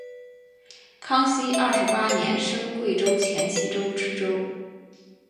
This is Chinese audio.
康熙二十八年升贵州黔西州知州。